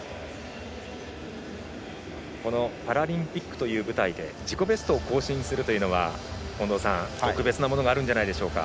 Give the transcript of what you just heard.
パラリンピックという舞台で自己ベストを更新するというのは近藤さん、特別なものがあるんじゃないでしょうか。